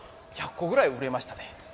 １００個ぐらい売れましたで。